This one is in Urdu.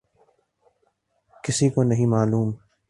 کسی کو نہیں معلوم۔